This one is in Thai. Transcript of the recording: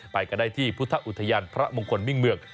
ไปกันได้ที่พุทธอุทยานพระมงคลมิ่งเมือง